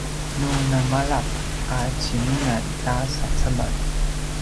nu namalap a cinunan ta sacemel